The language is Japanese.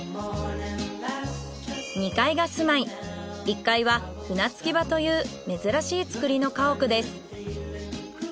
２階が住まい１階は船着場という珍しい造りの家屋です。